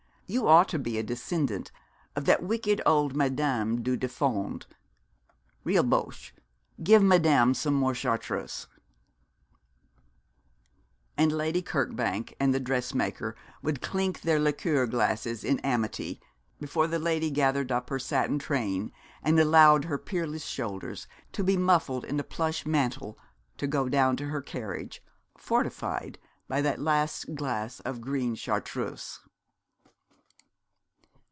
You ought to be a descendant of that wicked old Madame du Deffand. Rilboche, give Madame some more chartreuse.' And Lady Kirkbank and the dressmaker would chink their liqueur glasses in amity before the lady gathered up her satin train and allowed her peerless shoulders to be muffled in a plush mantle to go down to her carriage, fortified by that last glass of green chartreuse.